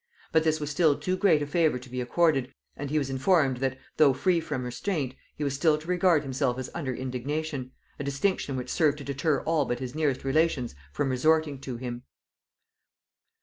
But this was still too great a favor to be accorded, and he was informed, that though free from restraint, he was still to regard himself as under indignation; a distinction which served to deter all but his nearest relations from resorting to him.